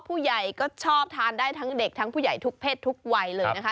ผู้ใหญ่ก็ชอบทานได้ทั้งเด็กทั้งผู้ใหญ่ทุกเพศทุกวัยเลยนะคะ